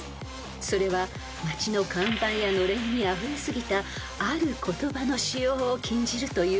［それは町の看板やのれんにあふれすぎたある言葉の使用を禁じるということ］